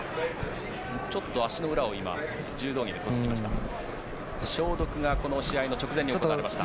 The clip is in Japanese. ちょっと足の裏を柔道着でこすりました。